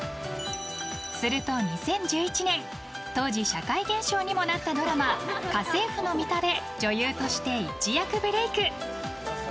すると２０１１年当時、社会現象にもなったドラマ「家政婦のミタ」で女優として一躍ブレーク。